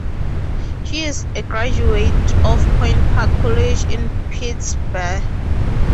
She is a graduate of Point Park College in Pittsburgh.